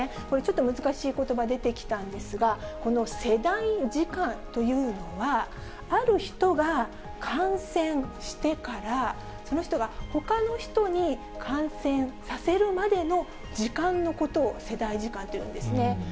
これ、ちょっと難しいことば、出てきたんですが、この世代時間というのは、ある人が感染してから、その人がほかの人に感染させるまでの時間のことを世代時間と言うんですね。